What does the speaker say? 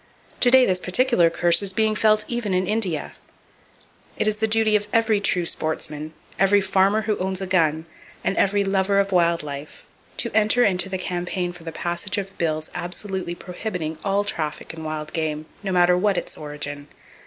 To day this particular curse is being felt even in India. It is the duty of every true sportsman, every farmer who owns a gun, and every lover of wild life, to enter into the campaign for the passage of bills absolutely prohibiting all traffic in wild game no matter what its origin.